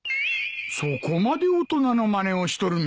そこまで大人のまねをしとるのか。